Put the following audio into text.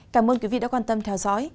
cảm ơn quý vị đã quan tâm theo dõi